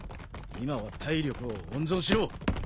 今は体力を温存しろ。